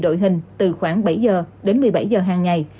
đội hình từ khoảng bảy giờ đến một mươi bảy giờ hàng ngày